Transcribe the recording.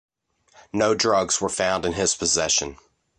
No drugs were found in his possession.